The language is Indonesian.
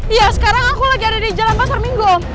iya sekarang aku lagi ada di jalan pasar minggu